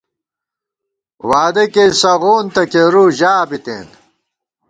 وعدہ کېئی سغون تہ کېرُو ژا بِتېن